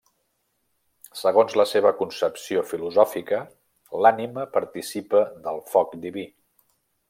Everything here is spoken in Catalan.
Segons la seva concepció filosòfica, l'ànima participa del foc diví.